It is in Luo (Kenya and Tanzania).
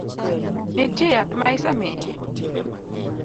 Nitie yath ma isemiye?